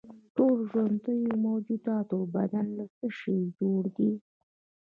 د ټولو ژوندیو موجوداتو بدن له څه شي جوړ دی